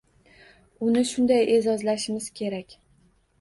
Uni shunday e’zozlashimiz kerak.